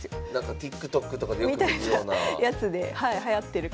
ＴｉｋＴｏｋとかでよく見るような。